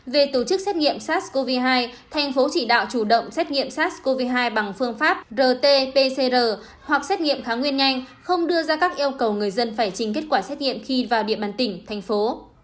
về tổ chức xét nghiệm sars cov hai thành phố chỉ đạo chủ động xét nghiệm sars cov hai bằng phương pháp rt pcr hoặc xét nghiệm kháng nguyên nhanh không đưa ra các yêu cầu người dân phải trình kết quả xét nghiệm khi vào địa bàn tỉnh thành phố